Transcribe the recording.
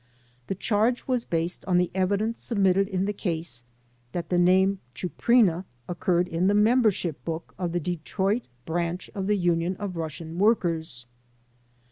The charge was based on the evidence sub mitted in the case, that the name "Chuprina" occurred in the membership book of the Detroit Branch of The Union of Russian Workers.